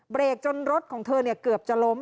เรกจนรถของเธอเกือบจะล้ม